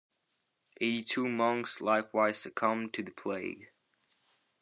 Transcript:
Eighty-two monks likewise succumbed to the plague.